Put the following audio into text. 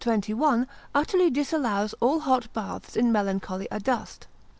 21, utterly disallows all hot baths in melancholy adust.